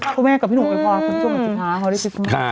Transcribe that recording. พ่อแม่กับพี่หนูไม่พอคุณช่วยมากจีบพ้า